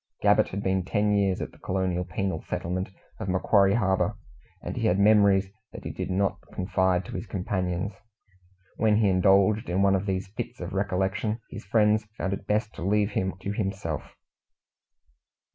Gabbett had been ten years at the colonial penal settlement of Macquarie Harbour, and he had memories that he did not confide to his companions. When he indulged in one of these fits of recollection, his friends found it best to leave him to himself.